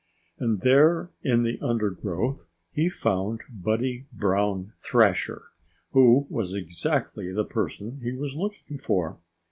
And there in the undergrowth he found Buddy Brown Thrasher, who was exactly the person he was looking for.